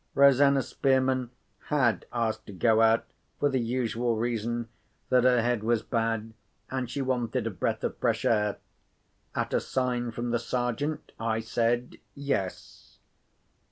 Rosanna Spearman had asked to go out, for the usual reason, that her head was bad, and she wanted a breath of fresh air. At a sign from the Sergeant, I said, Yes.